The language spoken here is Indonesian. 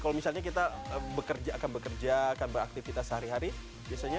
kalau misalnya kita bekerja akan bekerja akan beraktivitas sehari hari biasanya